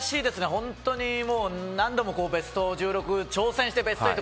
本当に何度もベスト１６挑戦して、ベスト８